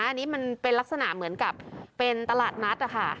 อันนี้มันเป็นลักษณะเหมือนกับเป็นตลาดนัดนะคะ